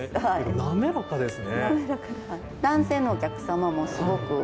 滑らかですね。